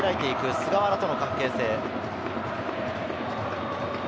菅原との関係性。